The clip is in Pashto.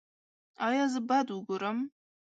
ایا زه باید وګورم؟